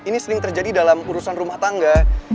ini sering terjadi dalam urusan rumah tangga